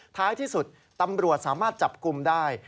ท้ายที่สุดตำรวจสามารถจับกลุ่มได้